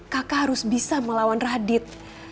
kakak harus bisa melawan radit